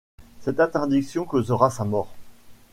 Cette interdiction causera sa mort.